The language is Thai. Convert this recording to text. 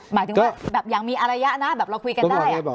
หมายถึงว่าแบบอย่างมีอารยะนะแบบเราคุยกันได้